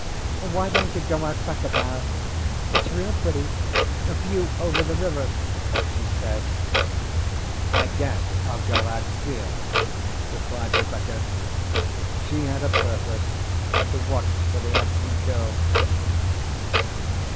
"Why don't you go out back of the house? It's real pretty a view over the river," she said. "I guess I'll go out here," replied Rebecca. She had a purpose: to watch for the absent girl.